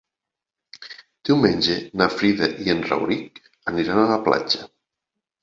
Diumenge na Frida i en Rauric aniran a la platja.